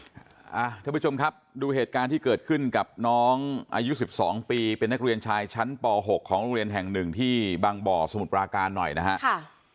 ท่านผู้ชมครับดูเหตุการณ์ที่เกิดขึ้นกับน้องอายุ๑๒ปีเป็นนักเรียนชายชั้นป๖ของโรงเรียนแห่งหนึ่งที่บางบ่อสมุทรปราการหน่อยนะฮะ